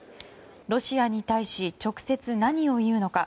ロシアに対し直接、何を言うのか。